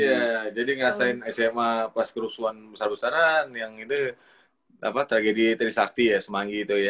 iya jadi ngerasain sma pas kerusuhan besar besaran yang itu tragedi trisakti ya semanggi itu ya